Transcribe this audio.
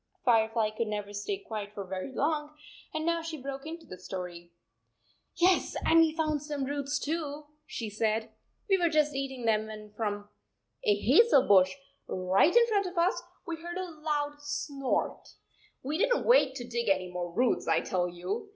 Firefly could never stay quiet for very long and now she broke into the story. "Yes, and we found some roots, too," she said. " We were just eating them when from a hazel bush right in front of us we heard a loud snort ! We did n t wait to dig any more roots, I tell you